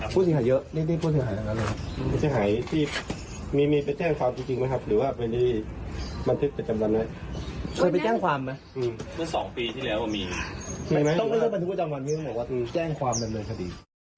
คุณเคยไปแจ้งความไหมคุณแจ้งความดำเนินคดี